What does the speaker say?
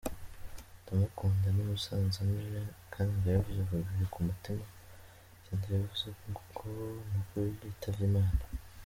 Ndamukunda, ni musazanje kandi ndabivuze bivuye ku mutima, sindabivuze ngo nuko yitavye Imana.